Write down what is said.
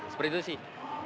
seperti itu sih